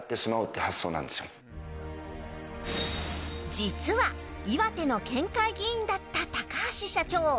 実は岩手の県会議員だった高橋社長。